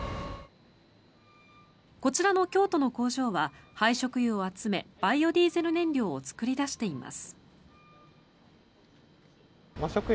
こちらの京都の工場は廃食油を集めバイオディーゼル燃料を作り出しています。